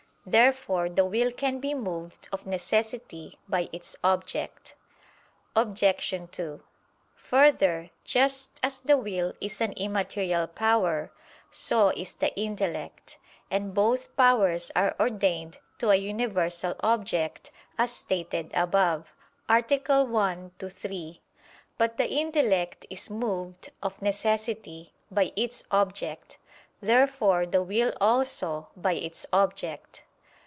Therefore the will can be moved of necessity by its object. Obj. 2: Further, just as the will is an immaterial power, so is the intellect: and both powers are ordained to a universal object, as stated above (A. 1, ad 3). But the intellect is moved, of necessity, by its object: therefore the will also, by its object.